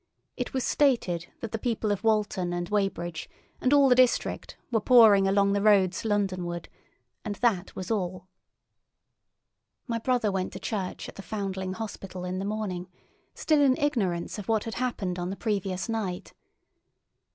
It was stated that the people of Walton and Weybridge, and all the district were pouring along the roads Londonward, and that was all. My brother went to church at the Foundling Hospital in the morning, still in ignorance of what had happened on the previous night.